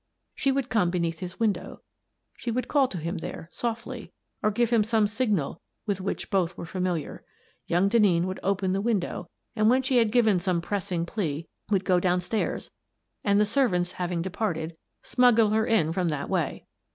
She would come beneath his window. She would call to him there, softly, or give him some signal with which both were familiar. Young Denneen would open the window and, when she had given some pressing plea, would go down stairs and, the servants having departed, smuggle her in from that way.